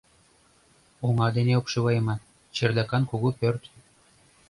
Оҥа дене обшивайыман, чердакан кугу пӧрт.